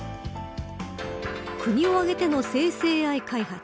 国を挙げての生成ＡＩ開発。